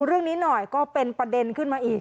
เรื่องนี้หน่อยก็เป็นประเด็นขึ้นมาอีก